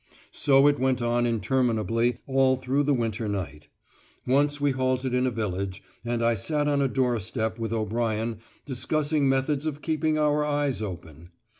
So it went on interminably all through the winter night. Once we halted in a village, and I sat on a doorstep with O'Brien discussing methods of keeping our eyes open.